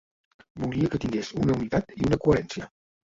Volia que tingués una unitat i una coherència.